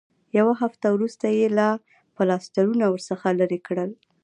یوه هفته وروسته یې پلاسټرونه ورڅخه لرې کړل.